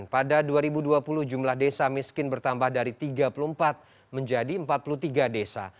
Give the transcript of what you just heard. pada dua ribu dua puluh jumlah desa miskin bertambah dari tiga puluh empat menjadi empat puluh tiga desa